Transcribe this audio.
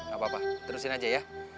gapapa terusin aja ya